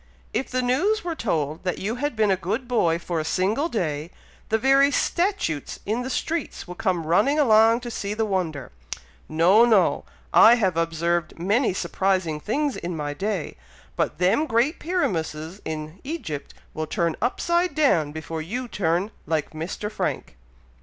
If the news were told that you had been a good boy for a single day, the very statutes in the streets would come running along to see the wonder. No! no! I have observed many surprising things in my day, but them great pyramuses in Egypt will turn upside down before you turn like Mr. Frank."